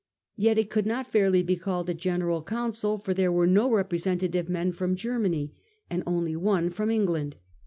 Yet it could not laiJ N^m? fiwrly be called a general council, for there ^j i>«J^i8»ww y^Qxe no representative men from Germany. J and only one from England.